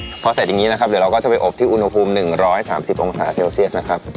พอเสร็จอย่างนี้นะครับเดี๋ยวเราก็จะไปอบที่อุณหภูมิ๑๓๐องศาเซลเซียสนะครับ